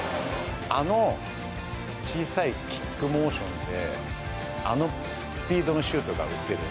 あの小さいキックモーションであのスピードのシュートが打てる。